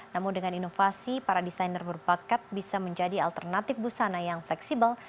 namun dengan inovasi para desainer berbakat bisa menjadi alternatif busana yang fleksibel